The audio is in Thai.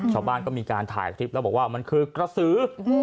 ชาวบ้านก็มีการถ่ายคลิปแล้วบอกว่ามันคือกระสือ